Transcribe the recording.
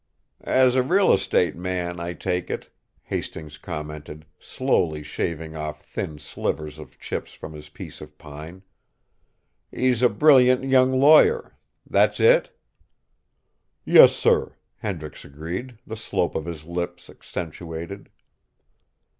"As a real estate man, I take it," Hastings commented, slowly shaving off thin slivers of chips from his piece of pine, "he's a brilliant young lawyer. That's it?" "Yes, sir," Hendricks agreed, the slope of his lips accentuated.